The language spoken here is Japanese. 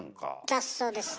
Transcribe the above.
雑草ですよ。